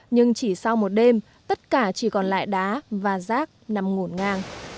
nhưng chỉ sau một đêm tất cả chỉ còn lại đá và rác nằm ngổn ngang